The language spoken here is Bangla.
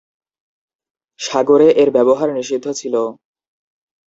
সাগরে এর ব্যবহার নিষিদ্ধ ছিল।